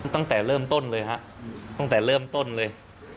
ตั้งแต่เริ่มต้นเลยฮะตั้งแต่เริ่มต้นเลย